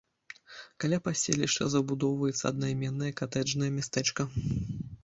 Каля паселішча забудоўваецца аднайменнае катэджнае мястэчка.